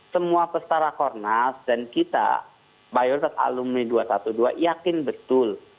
semua peserta rakornas dan kita mayoritas alumni dua ratus dua belas yakin betul